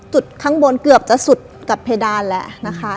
ข้างบนเกือบจะสุดกับเพดานแล้วนะคะ